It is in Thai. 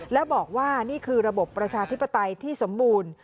และบอกว่านี่คือระบบประชาธิปไตยที่สมบูรณ์